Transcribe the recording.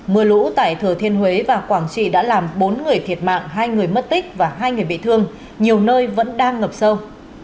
mưa lũ tại thừa thiên huế và quảng trị đã làm bốn người thiệt mạng hai người mất tích và hai người bị thương nhiều nơi vẫn đang ngập sâu